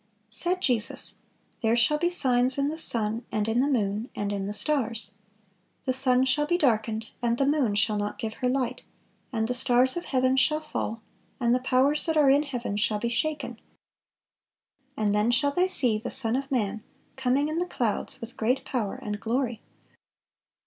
Said Jesus: "There shall be signs in the sun, and in the moon, and in the stars."(477) "The sun shall be darkened, and the moon shall not give her light, and the stars of heaven shall fall, and the powers that are in heaven shall be shaken. And then shall they see the Son of man coming in the clouds with great power and glory."